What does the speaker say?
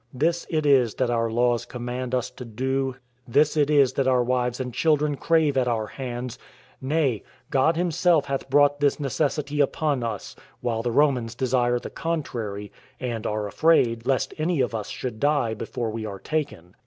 This it is that our laws command us to do; this it is that our wives and children crave at our hands; nay, God himself hath brought this necessity upon us; while the Romans desire the contrary, and are afraid lest any of us should die before we are taken.